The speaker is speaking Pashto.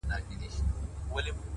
خاموشه هڅه هېڅ نه ضایع کېږي.!